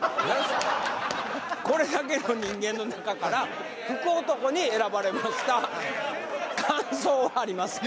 これだけの人間の中から福男に選ばれました感想はありますか？